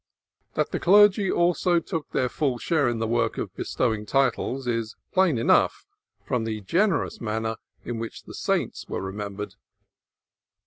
That the clergy also took their full share in the work of bestowing titles is plain enough from the generous manner in which the saints were remembered.